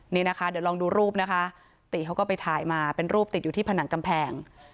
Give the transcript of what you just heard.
นี่นะคะเดี๋ยวลองดูรูปนะคะตีเขาก็ไปถ่ายมาเป็นรูปติดอยู่ที่ผนังกำแพง